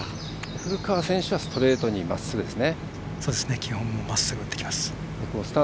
古川選手はストレートにまっすぐですね。